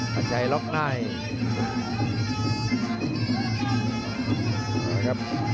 พันชัยล็อคไนท์